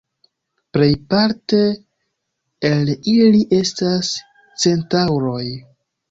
Plejparte el ili estas Centaŭroj.